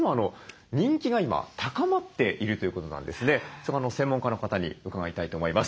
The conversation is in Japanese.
そこを専門家の方に伺いたいと思います。